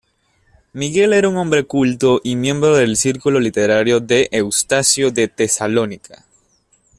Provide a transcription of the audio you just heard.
Miguel era un hombre culto y miembro del círculo literario de Eustacio de Tesalónica.